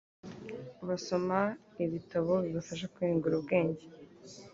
basoma ibitabo bibafasha kwiyungura ubwenge.